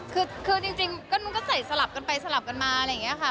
คือจริงก็มันก็ใส่สลับกันไปสลับกันมาอะไรอย่างนี้ค่ะ